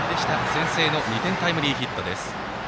先制の２点タイムリーヒット。